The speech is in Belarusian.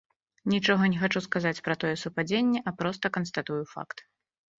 Нічога не хачу сказаць пра такое супадзенне, а проста канстатую факт.